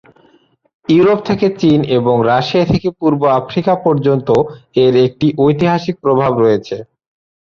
Europe থেকে চীন এবং রাশিয়া থেকে পূর্ব আফ্রিকা পর্যন্ত এর একটি ঐতিহাসিক প্রভাব রয়েছে।